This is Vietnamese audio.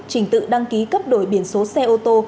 trình tự đăng ký cấp đổi biển số xe ô tô